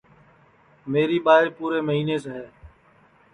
نوسری پُورے مہینس ہے